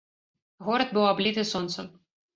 Горад быў абліты сонцам.